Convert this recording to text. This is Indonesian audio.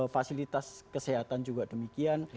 fasilitas kesehatan juga demikian